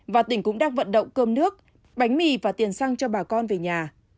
và tỉnh cũng đang vận động cơm nước bánh mì và tiền xăng cho bà con về nhà